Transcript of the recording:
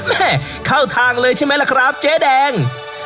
แม่เข้าทางเลยใช่ไหมล่ะครับเจ๊แดง